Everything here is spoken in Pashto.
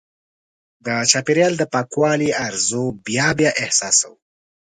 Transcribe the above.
د چاپېریال د پاکوالي ارزو بیا بیا احساسوو.